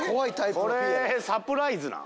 これサプライズなん？